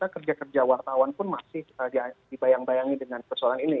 kerja kerja wartawan pun masih dibayang bayangi dengan persoalan ini